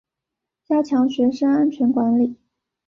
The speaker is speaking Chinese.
加强学生安全管理